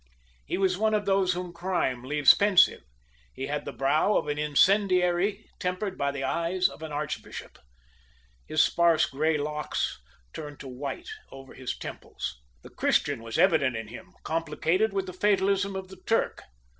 He was one of those whom crime leaves pensive; he had the brow of an incendiary tempered by the eyes of an archbishop. His sparse gray locks turned to white over his temples. The Christian was evident in him, complicated with the fatalism of the Turk.